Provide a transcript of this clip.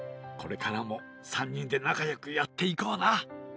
これからも３にんでなかよくやっていこうな。